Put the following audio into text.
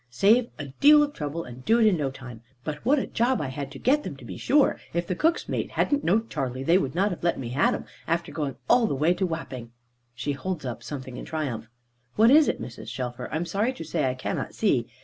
Save a deal of trouble and do it in no time. But what a job I had to get them to be sure; if the cook's mate hadn't knowed Charley, they would not have let me had 'em, after going all the way to Wapping." She holds up something in triumph. "What is it, Mrs. Shelfer? I am sorry to say I cannot see."